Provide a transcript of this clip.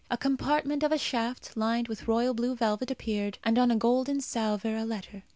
A compartment of a shaft, lined with royal blue velvet, appeared, and on a golden salver a letter.